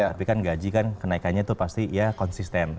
tapi kan gaji kan kenaikannya itu pasti ya konsisten